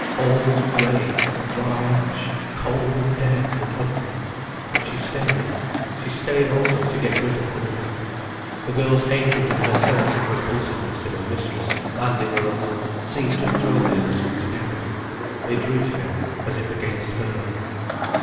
All was grey, dry ash, cold and dead and ugly. But she stayed. She stayed also to get rid of Winifred. The girl's hatred and her sense of repulsiveness in her mistress and in her uncle seemed to throw the other two together. They drew together as if against her.